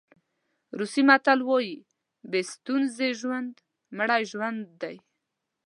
روسي متل وایي بې ستونزې ژوند مړی ژوند دی.